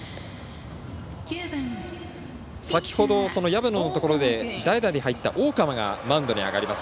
先ほど、薮野のところで代打で入った大川が、マウンドに上がります。